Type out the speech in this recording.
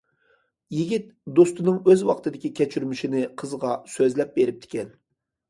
يىگىت دوستىنىڭ ئۆز ۋاقتىدىكى كەچۈرمىشىنى قىزغا سۆزلەپ بېرىپتىكەن.